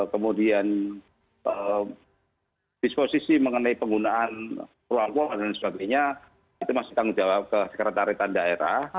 kemudian disposisi mengenai penggunaan ruang dan sebagainya itu masih tanggung jawab ke sekretariat tanda ra